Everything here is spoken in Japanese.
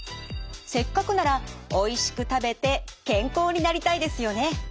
せっかくならおいしく食べて健康になりたいですよね。